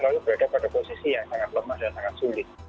jadi kita berada di dalam posisi yang sangat lemah dan sangat sulit